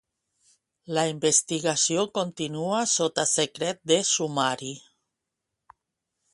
La investigació continua sota secret de sumari.